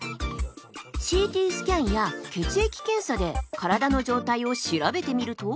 ＣＴスキャンや血液検査で体の状態を調べてみると。